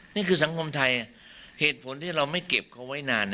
นี่คือสังคมไทยเหตุผลที่เราไม่เก็บเขาไว้นาน